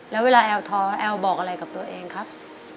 แล้วเวลาแอลท้อแอลบอกอะไรกับตัวเองครับ